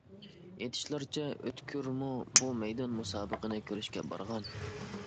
ئېيتىلىشلارچە، ئۆتكۈرمۇ بۇ مەيدان مۇسابىقىنى كۆرۈشكە بارغان.